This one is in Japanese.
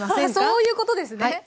アハハッそういうことですね。